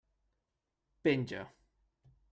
Penja.